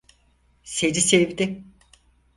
Seni sevdi.